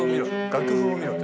「楽譜を見ろって？」